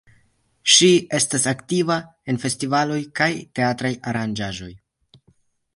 Ŝi estas aktiva en festivaloj kaj teatraj aranĝaĵoj.